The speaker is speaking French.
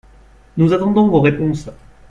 Nous attendons vos réponses